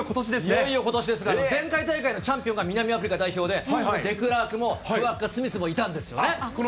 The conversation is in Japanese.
いよいよことしですが、前回大会のチャンピオンが南アフリカ代表で、デクラークもクワッガ・スミスもいたんですよね。